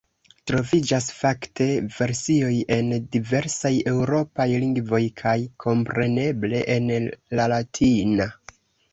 Troviĝas, fakte, versioj en diversaj eŭropaj lingvoj kaj, kompreneble, en la latina.